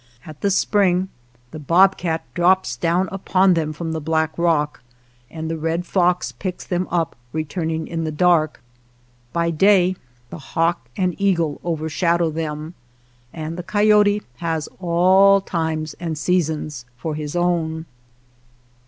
At the spring the bobcat drops down upon them from the black rock, and the red fox picks them up returning in the dark. By day the hawk and eagle overshadow them, and the coyote has all times and seasons for his own.